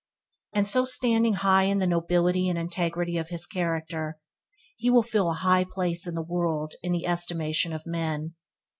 And so standing high in the nobility and integrity of his character, he will fill a high place in the world and in the estimation of men.